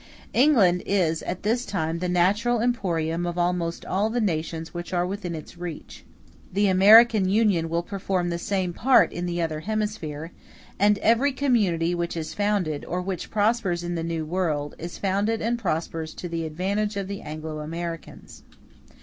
England is at this time the natural emporium of almost all the nations which are within its reach; the American Union will perform the same part in the other hemisphere; and every community which is founded, or which prospers in the New World, is founded and prospers to the advantage of the Anglo Americans.